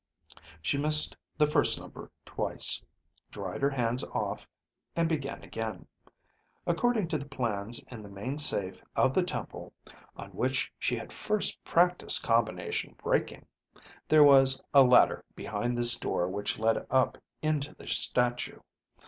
She missed the first number twice, dried her hands off, and began again. According to the plans in the main safe of the temple (on which she had first practiced combination breaking) there was a ladder behind this door which led up into the statue.